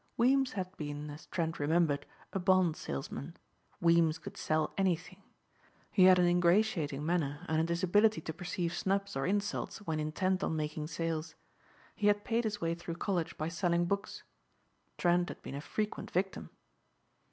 Weems had been, as Trent remembered, a bond salesman. Weems could sell anything. He had an ingratiating manner and a disability to perceive snubs or insults when intent on making sales. He had paid his way through college by selling books. Trent had been a frequent victim.